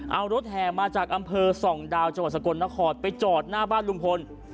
เอารถแหมาจากอำเภอ๒ดาวจสกนครไปจอดหน้าบ้านลุงพล